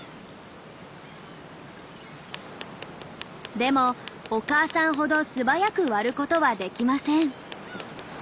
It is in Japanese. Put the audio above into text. でもお母さんほど素早く割ることはできません。